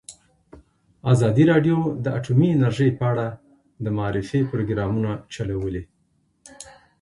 ازادي راډیو د اټومي انرژي په اړه د معارفې پروګرامونه چلولي.